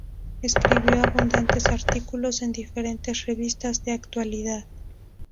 Escribió abundantes artículos en diferentes revistas de actualidad.